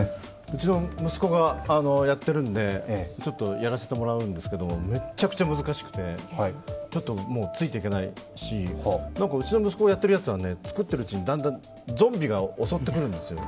うちの息子がやっているんで、ちょっとやらせてもらうんですけど、めっちゃくちゃ難しくて、ちょっとついていけないし、うちの息子がやっているやつは作っているうちにゾンビが襲ってくるんですよ。